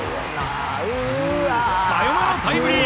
サヨナラタイムリー！